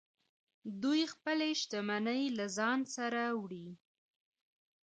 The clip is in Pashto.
دوی خپلې شتمنۍ له ځان سره وړلې